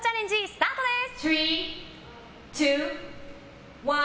スタートです！